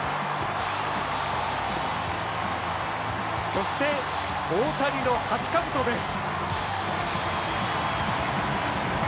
そして大谷の初かぶとです。